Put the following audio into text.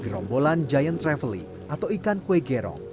gerombolan giant trevely atau ikan kuegerong